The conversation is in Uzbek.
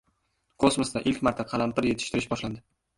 Kosmosda ilk marta qalampir yetishtirish boshlandi